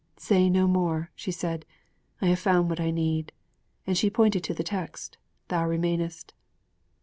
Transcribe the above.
'Say no more,' she said, 'I have found what I need!' and she pointed to the text: '_Thou remainest!